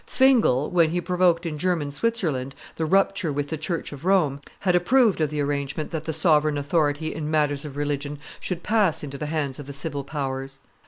Zwingle, when he provoked in German Switzerland the rupture with the church of Rome, had approved of the arrangement that the sovereign authority in matters of religion should pass into the hands of the civil powers.